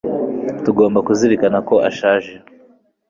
Tugomba kuzirikana ko ashaje